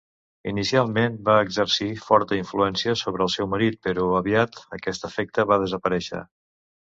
Inicialment va exercir forta influència sobre el seu marit però aviat aquest efecte va desaparèixer.